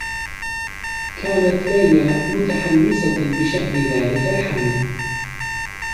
كانت ليلى متحمّسة بشأن ذلك الحمل.